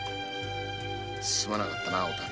すまなかったお民！